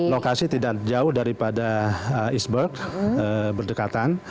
lokasi tidak jauh daripada eastburg berdekatan